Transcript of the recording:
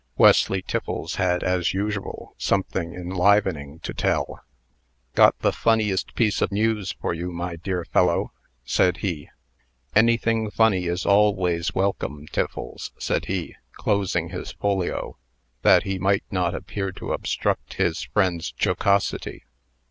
Wesley Tiffles had, as usual, something enlivening to tell. "Got the funniest piece of news for you, my dear fellow!" said he. "Anything funny is always welcome, Tiffles," said he, closing his folio, that he might not appear to obstruct his friend's jocosity.